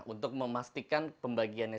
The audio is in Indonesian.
untuk memastikan pembagiannya